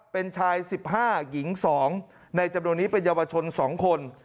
เป็นชาย๑๕หญิง๒ในจำนวนนี้เป็นเยาวชน๒คน